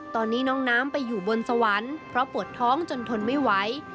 ตอนนี้น้องน้ำไปอยู่บนสวรรค์เพราะปวดท้องจนทนไม่ไหว